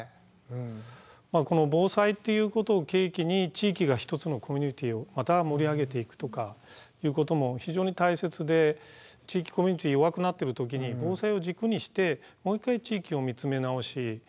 この防災っていうことを契機に地域が一つのコミュニティーをまた盛り上げていくとかっていうことも非常に大切で地域コミュニティー弱くなってる時にさあ佐藤さん！